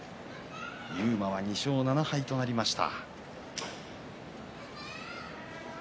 勇磨は２勝７敗となりました。